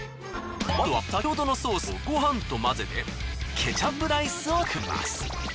まずは先ほどのソースをご飯と混ぜてケチャップライスを作ります。